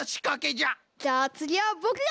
じゃあつぎはぼくが！